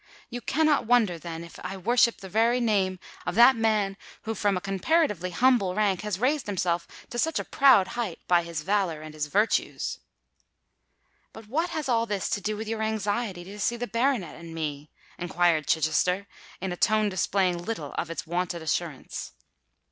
You cannot wonder, then, if I worship the very name of that man who from a comparatively humble rank has raised himself to such a proud height by his valour and his virtues." "But what has all this to do with your anxiety to see the baronet and me?" inquired Chichester, in a tone displaying little of its wonted assurance.